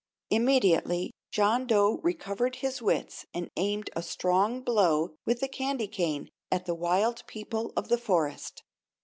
Immediately John Dough recovered his wits and aimed a strong blow with the candy cane at the wild people of the forest.